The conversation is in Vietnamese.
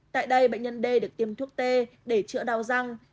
tại đây bệnh nhân d được tiêm thuốc t để chữa đau răng